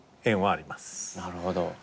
なるほど。